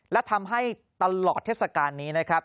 และทำให้ตลอดเทศกาลนี้นะครับ